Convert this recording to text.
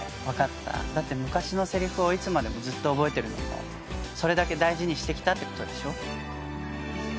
だって昔の台詞をいつまでもずっと覚えてるのもそれだけ大事にしてきたって事でしょ。